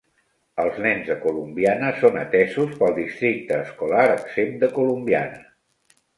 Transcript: Els nens de Columbiana són atesos pel districte escolar exempt de Columbiana.